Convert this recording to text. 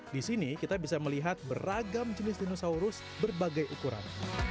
di sini kita bisa melihat beragam jenis dinosaurus berbagai ukuran